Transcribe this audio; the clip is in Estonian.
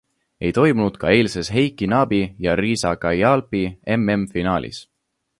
Ei toimunud ka eilses Heiki Nabi ja Riza Kayaalpi MM-finaalis.